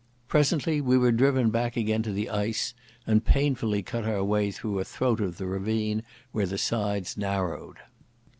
Presently we were driven back again to the ice, and painfully cut our way through a throat of the ravine where the sides narrowed.